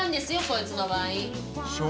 こいつの場合。